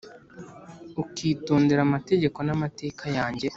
ukitondera amategeko n’amateka yanjye